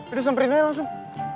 udah semperin aja langsung